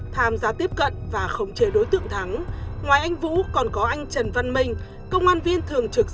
tham gia tiếp cận và khống chế đối tượng thắng ngoài anh vũ còn có anh trần văn minh công an viên thường trực xã an khánh